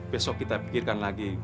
besok kita pikirkan lagi